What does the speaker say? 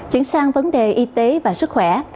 chuyển sang vấn đề y tế và sức khỏe